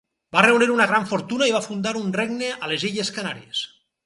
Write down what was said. Va reunir una gran fortuna i va fundar un regne a les Illes Canàries.